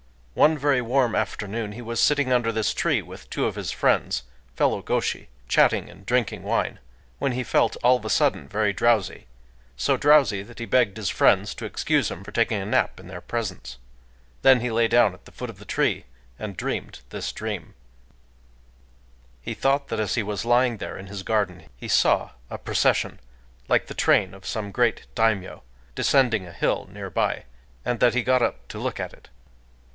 One very warm afternoon he was sitting under this tree with two of his friends, fellow gōshi, chatting and drinking wine, when he felt all of a sudden very drowsy,—so drowsy that he begged his friends to excuse him for taking a nap in their presence. Then he lay down at the foot of the tree, and dreamed this dream:— He thought that as he was lying there in his garden, he saw a procession, like the train of some great daimyō descending a hill near by, and that he got up to look at it.